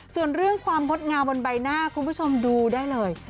ส่วนเรื่องความงดงามบนใบหน้าคุณผู้ชมดูได้เลย